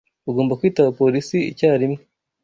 Ugomba kwitaba polisi icyarimwe.